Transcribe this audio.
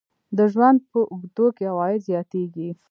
د ژوند په اوږدو کې عواید زیاتیږي.